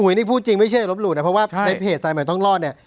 พี่อุยนี่พูดจริงไม่เชื่อจะลบหลุดอ่ะเพราะว่าไอ้เพจสายไมช์ต้องรอดเนี้ย